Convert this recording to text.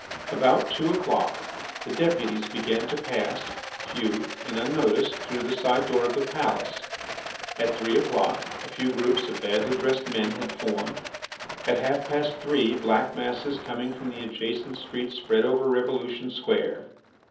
About two o'clock the deputies began to pass, few and unnoticed, through the side door of the palace. At three o'clock a few groups of badly dressed men had formed. At half past three black masses coming from the adjacent streets spread over Revolution Square.